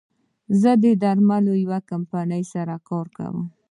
زه د درملو د يوې کمپنۍ سره کار کوم